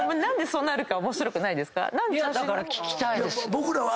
⁉僕らは。